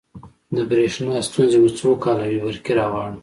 د بریښنا ستونزې مو څوک حلوی؟ برقي راغواړم